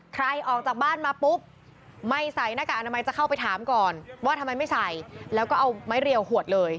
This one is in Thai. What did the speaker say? ออกจากบ้านมาปุ๊บไม่ใส่หน้ากากอนามัยจะเข้าไปถามก่อนว่าทำไมไม่ใส่แล้วก็เอาไม้เรียวขวดเลย